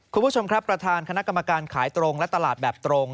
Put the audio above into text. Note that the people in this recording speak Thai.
คุณผู้ชมครับประธานคณะกรรมการขายตรงและตลาดแบบตรง